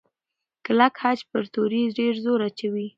کلک خج پر توري ډېر زور اچوي.